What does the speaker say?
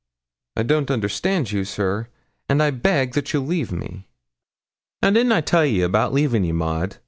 'I don't understand you, sir; and I beg that you'll leave me.' 'Now, didn't I tell ye about leavin' ye, Maud?